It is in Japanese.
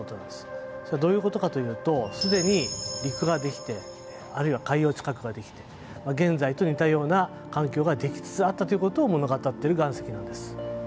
それどういうことかというとすでに陸ができてあるいは海洋地殻ができて現在と似たような環境ができつつあったということを物語っている岩石なんです。